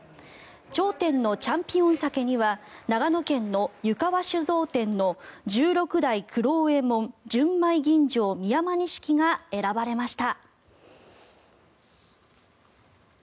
頂点のチャンピオン・サケには長野県の湯川酒造店の十六代九郎右衛門純米吟醸美山錦が選ばれました。